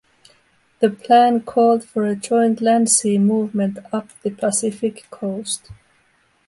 The plan called for a joint land-sea movement up the Pacific coast.